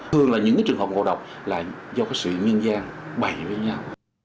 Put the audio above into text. thường là những trường hợp ngộ độc là do sự nguyên gian bày với nhau